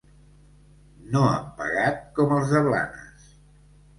No han pagat, com els de Blanes.